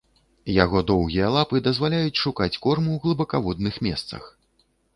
Яго доўгія лапы дазваляюць шукаць корм у глыбакаводных месцах.